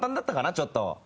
ちょっと。